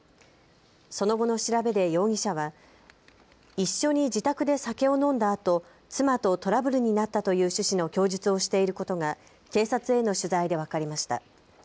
その後の調べで容疑者は一緒に自宅で酒を飲んだあと妻とトラブルになったという趣旨の供述をしていることが警察への取材で分かりました。